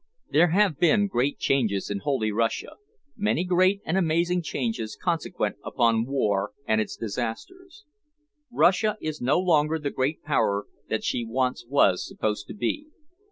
There have been changes in holy Russia many great and amazing changes consequent upon war and its disasters. Russia is no longer the great power that she once was supposed to be.